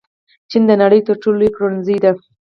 چین د نړۍ تر ټولو لوی پلورنځی دی.